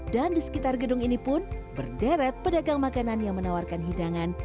dan di sekitar gedung ini pun berderet pedagang makanan yang menawarkan hidangan